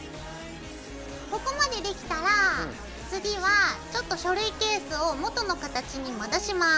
ここまでできたら次は書類ケースを元の形に戻します。